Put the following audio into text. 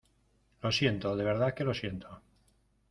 lo siento, de verdad que lo siento.